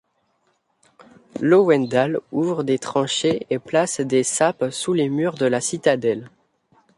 Lowendal ouvre des tranchés et place des sapes sous les murs de la citadelle.